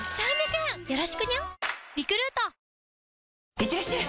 いってらっしゃい！